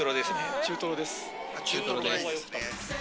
中トロですね。